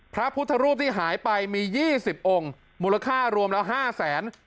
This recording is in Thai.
พระพุทธรูปที่หายไปมี๒๐องค์มูลค่ารวมแล้ว๕แสน